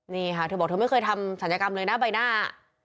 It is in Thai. นี่ค่ะเธอบอกเธอไม่เคยทำศัลยกรรมเลยนะใบหน้า